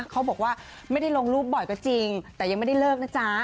เขาบอกว่าไม่ได้ลงรูปบ่อยก็จริงแต่ยังไม่ได้เลิกนะจ๊ะ